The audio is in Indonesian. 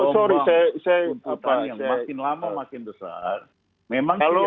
untuk anggota yang makin lama makin besar